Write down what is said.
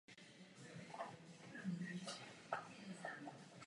Symbolem kampaně je bílá páska.